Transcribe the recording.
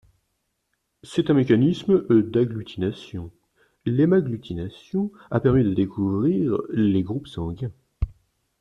C'est un mécanisme d'agglutination, l'hémagglutination, qui a permis de découvrir les groupes sanguins.